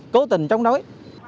cố tình chống đối